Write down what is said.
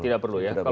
tidak perlu ya